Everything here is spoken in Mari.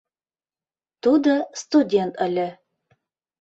Тудо студент ыле.